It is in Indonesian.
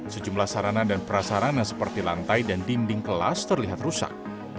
sejumlah sarana dan prasarana seperti lantai dan dinding kelas terlihat rusak